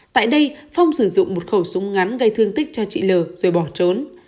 tại đây phong sử dụng một khẩu súng ngắn gây thương tích cho chị l rồi bỏ trốn